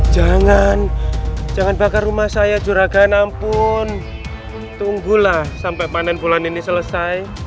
jangan jangan bakar rumah saya curaga namun tunggulah sampai panen bulan ini selesai